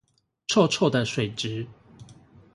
臭臭的水質